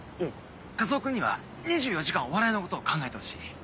和男君には２４時間お笑いのことを考えてほしい。